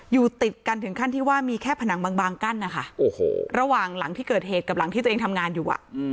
อยู่ติดกันถึงขั้นที่ว่ามีแค่ผนังบางกั้นนะคะระหว่างหลังที่เกิดเหตุกับหลังที่ตัวเองทำงานอยู่